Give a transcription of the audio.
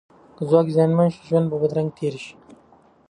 که ځواک زیانمن شي، ژوند به بدرنګ تیر شي.